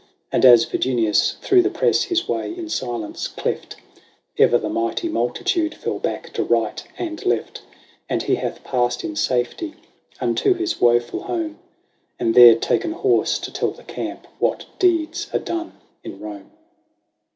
And, as Virginius through the press his way in silence cleft. Ever the mighty multitude fell back to right and left. And he hath passed in safety unto his woeful home. And there ta'en horse to tell the camp what deeds are done in Kome.